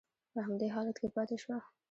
په همدې حالت کې پاتې شوه.